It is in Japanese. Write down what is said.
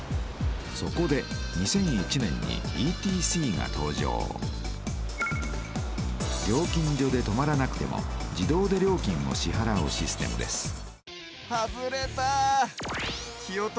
そこで２００１年にＥＴＣが登場料金所で止まらなくても自動で料金を支はらうシステムです